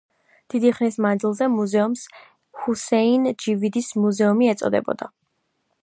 დიდი ხნის მანძილზე „მუზეუმს ჰუსეინ ჯავიდის მუზეუმი“ ეწოდებოდა.